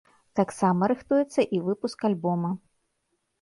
Таксама рыхтуецца і выпуск альбома.